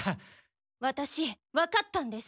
ワタシわかったんです。